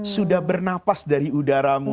sudah bernapas dari udaramu